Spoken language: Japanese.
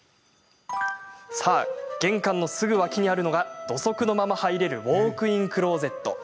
玄関のすぐ脇にあるのが土足のまま入れるウォークインクローゼット。